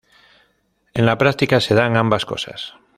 En la práctica se dan ambas cosas.